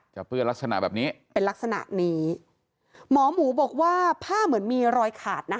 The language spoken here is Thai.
เปื้อนลักษณะแบบนี้เป็นลักษณะนี้หมอหมูบอกว่าผ้าเหมือนมีรอยขาดนะคะ